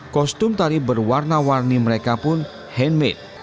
kostum tari berwarna warni mereka pun handmade